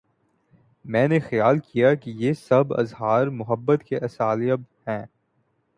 میں نے خیال کیا کہ یہ سب اظہار محبت کے اسالیب ہیں۔